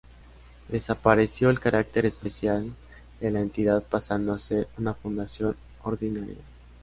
Desapareció el carácter especial de la entidad pasando a ser una fundación ordinaria.